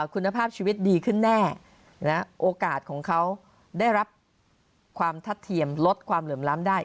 คุณภาพชีวิตดีขึ้นแน่โอกาสของเขาได้รับความทัดเทียมลดความเหลื่อมล้ำได้